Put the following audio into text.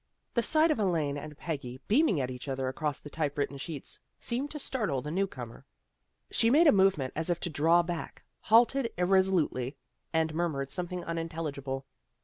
The sight of Elaine and Peggy, beaming at each other across the typewritten sheets, seemed to startle the new comer. She made a movement as if to draw back, halted irresolutely, and murmured some thing unintelligible.